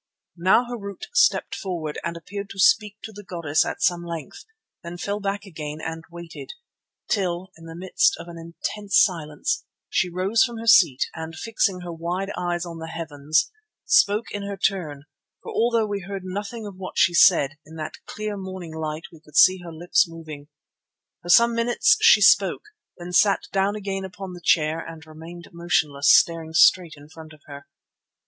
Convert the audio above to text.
Now Harût stepped forward and appeared to speak to the goddess at some length, then fell back again and waited, till in the midst of an intense silence she rose from her seat and, fixing her wide eyes on the heavens, spoke in her turn, for although we heard nothing of what she said, in that clear, morning light we could see her lips moving. For some minutes she spoke, then sat down again upon the chair and remained motionless, staring straight in front of her.